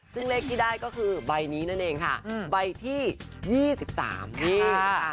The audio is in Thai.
ซึ่งเลขที่ได้ก็คือใบนี้นั่นเองค่ะใบที่๒๓นี่ค่ะ